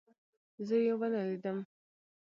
زه يې ونه لیدم.